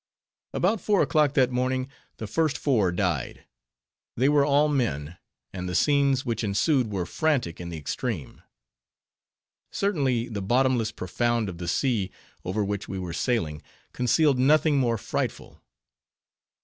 About four o'clock that morning, the first four died. They were all men; and the scenes which ensued were frantic in the extreme. Certainly, the bottomless profound of the sea, over which we were sailing, concealed nothing more frightful.